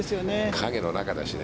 影の中だしね。